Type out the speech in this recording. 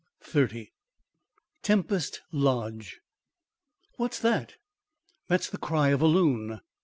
XXX TEMPEST LODGE "What's that?" "That's the cry of a loon."